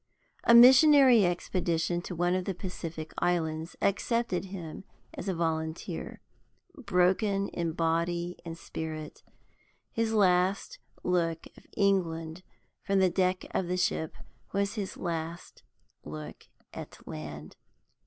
A missionary expedition to one of the Pacific Islands accepted him as a volunteer. Broken in body and spirit, his last look of England from the deck of the ship was his last look at land.